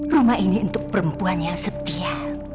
rumah ini untuk perempuan yang setia